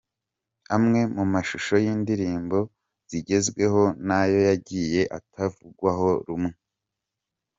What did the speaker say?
Amwe mu mashusho y'indirimbo zigezweho nayo yagiye atavugwaho rumwe.